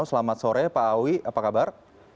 selamat sore pak awi apa kabar